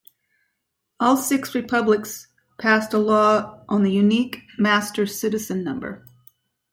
All six republics passed a law on the Unique Master Citizen Number.